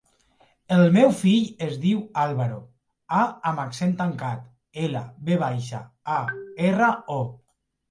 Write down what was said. El meu fill es diu Álvaro: a amb accent tancat, ela, ve baixa, a, erra, o.